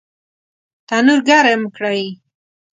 تنور ګرم کړئ